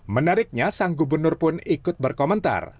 menariknya sang gubernur pun ikut berkomentar